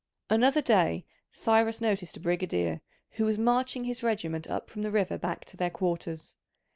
Another day Cyrus noticed a brigadier who was marching his regiment up from the river back to their quarters.